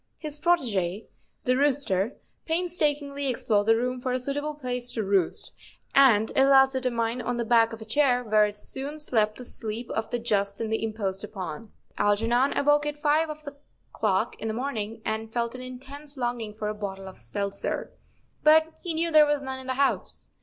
His protege , the rooster, painstakingly ex¬ plored the room for a suitable place to roost, and at last determined on the back of a chair, where it soon slept the sleep of the just and the imposed upon. Algernon awoke at five of the clock in the morning and felt an intense longing for a bottle of seltzer, but he knew there was none in the house.